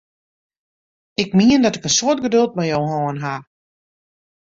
Ik mien dat ik in soad geduld mei jo hân ha!